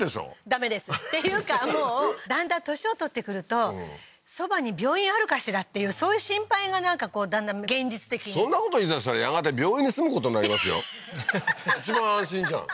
ダメですっていうかもうだんだん年を取ってくるとそばに病院あるかしらっていうそういう心配がなんかこうだんだん現実的にそんなこと言いだしたらやがて病院に住むことになりますよははははっ一番安心じゃん